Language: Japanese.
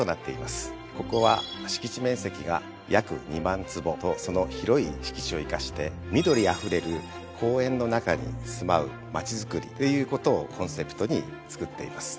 ここは敷地面積が約２万坪とその広い敷地を生かして「緑あふれる公園の中に住まう街づくり」ということをコンセプトにつくっています。